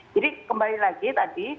jadi kembali lagi tadi